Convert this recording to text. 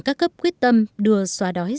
các cấp quyết tâm đưa xóa đói